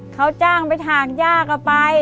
เขาจ้างไปถากยากละไป